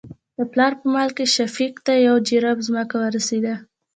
د پلار په مال کې شفيق ته يو جرېب ځمکه ورسېده.